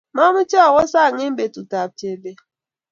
mamche awo sang eng petut ak jebet